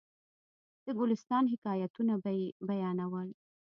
د ګلستان حکایتونه به یې بیانول.